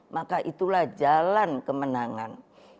maka itulah jalan kemenangan